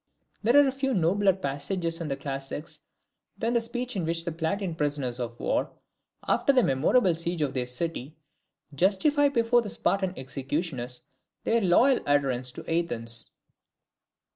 There are few nobler passages in the classics than the speech in which the Plataean prisoners of war, after the memorable siege of their city, justify before their Spartan executioners their loyal adherence to Athens.